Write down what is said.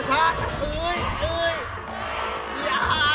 อย่าตาย